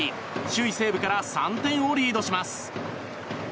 首位、西武から３点をリードします。